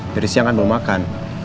dari siang kan belum makan